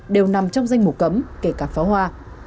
đều nằm trong danh mục cấm kể cả pháo hoa